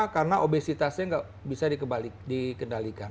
karena obesitasnya nggak bisa dikembalikan